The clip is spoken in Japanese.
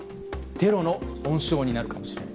テロの温床になるかもしれない。